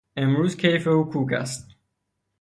امروز کیف او کوک است.